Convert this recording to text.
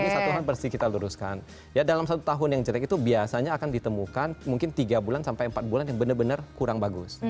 ini satu hal yang pasti kita luruskan ya dalam satu tahun yang jelek itu biasanya akan ditemukan mungkin tiga bulan sampai empat bulan yang benar benar kurang bagus